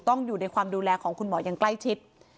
อยู่ในความดูแลของคุณหมออย่างใกล้ชิด